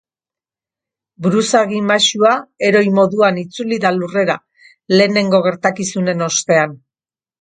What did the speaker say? Buruzagi maisua heroi moduan itzuli da lurrera, lehenengo gertakizunen ostean.